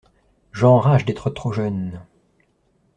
J'enrage d'être trop jeune.